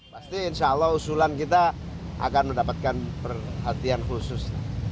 pasti insya allah usulan kita akan mendapatkan perhatian khusus